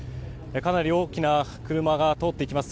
かなり大きな車が通っていきます。